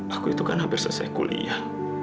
aku itu kan hampir selesai kuliah